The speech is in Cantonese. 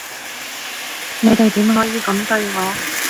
你哋點可以噉對我？